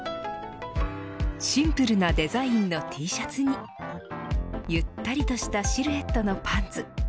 シンプルなデザインのＴシャツにゆったりとしたシルエットのパンツ。